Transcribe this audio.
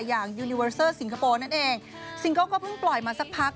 ยูนิเวอเซอร์สิงคโปร์นั่นเองซิงเกิ้ลก็เพิ่งปล่อยมาสักพัก